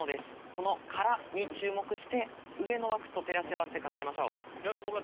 この「から」に注目して上の枠と照らし合わせて考えましょう。